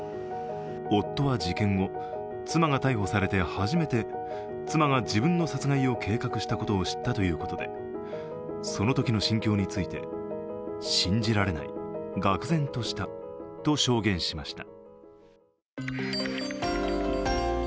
夫は事件後、妻が逮捕されて初めて妻が自分の殺害を計画したことを知ったということでそのときの心境について信じられない、がく然としたと証言しました。